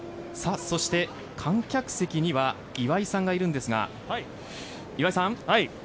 そして観客席には岩井さんがいるんですが岩井さん。